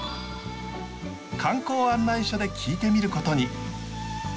観光案内所で聞いてみることに。